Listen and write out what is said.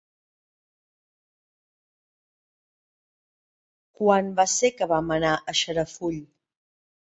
Quan va ser que vam anar a Xarafull?